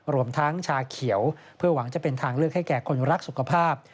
รวมทั้งชาเขียวเพื่อหวังจะเป็นทางเลือกให้แก่คนรักสุขภาพ